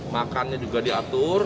makannya juga diatur